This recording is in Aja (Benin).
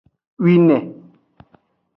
Wine.